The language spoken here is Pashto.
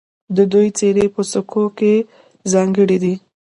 د دوی څیرې په سکو کې ځانګړې دي